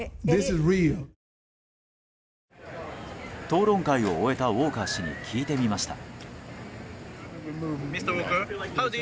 討論会を終えたウォーカー氏に聞いてみました。